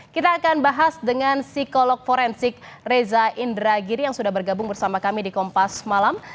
kita akan bahas dengan psikolog forensik reza indragiri yang sudah bergabung bersama kami di kompas malam